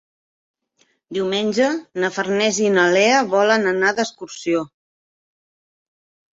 Diumenge na Farners i na Lea volen anar d'excursió.